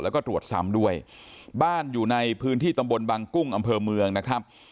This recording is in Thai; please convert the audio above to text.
แล้วก็ตรวจซ้ำด้วยบ้านอยู่ในพื้นที่ตำบลบังกุ้งอำเภอเมืองนะครับ